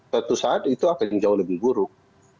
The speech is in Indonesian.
suatu saat itu akan jauh lebih buruk